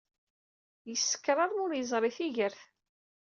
Yeskeṛ armi ur yeẓri tigert.